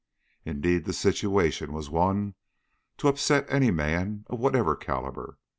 Indeed, the situation was one to upset any man of whatever calibre.